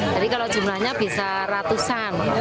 jadi kalau jumlahnya bisa ratusan